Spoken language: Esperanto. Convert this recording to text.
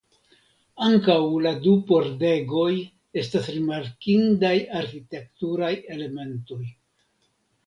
Ankaŭ la du pordegoj estas rimarkindaj arkitekturaj elementoj.